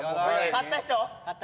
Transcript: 勝った人。